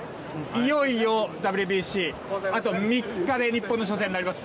いよいよ、ＷＢＣあと３日で日本の初戦です。